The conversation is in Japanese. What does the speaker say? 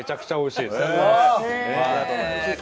ありがとうございます。